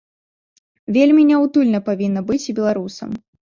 Вельмі няўтульна павінна быць і беларусам.